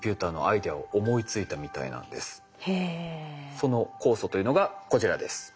その酵素というのがこちらです。